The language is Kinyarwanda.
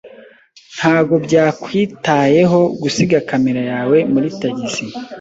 Ntabwo byakwitayeho gusiga kamera yawe muri tagisi.